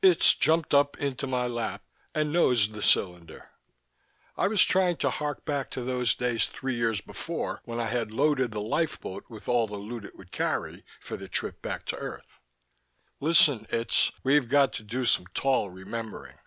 Itz jumped up into my lap and nosed the cylinder. I was trying to hark back to those days three years before when I had loaded the lifeboat with all the loot it would carry, for the trip back to earth. "Listen, Itz, we've got to do some tall remembering.